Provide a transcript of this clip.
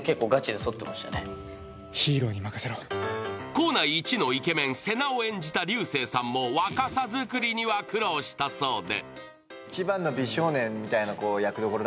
校内一のイケメン・瀬名を演じた竜星さんも若さ作りには苦労したそうで。